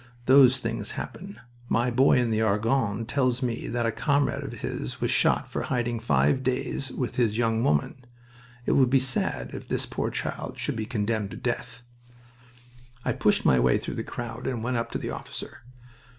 Those things happen. My boy in the Argonne tells me that a comrade of his was shot for hiding five days with his young woman. It would be sad if this poor child should be condemned to death." I pushed my way through the crowd and went up to the officer.